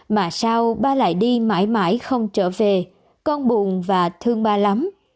mà sao ba lại đi mãi mãi không trở về con buồn và thương ba lắm